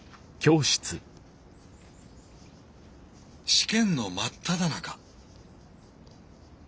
試験の真っただ中。